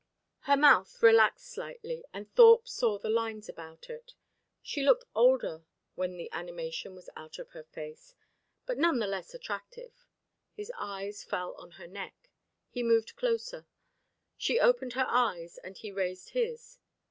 Her mouth relaxed slightly, and Thorpe saw the lines about it. She looked older when the animation was out of her face, but none the less attractive. His eyes fell on her neck. He moved closer. She opened her eyes, and he raised his.